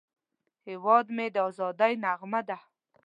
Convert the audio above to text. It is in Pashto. هیواد مې د ازادۍ نغمه ده